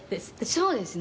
「そうですね」